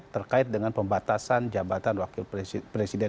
terkait dengan pembatasan jabatan wakil presiden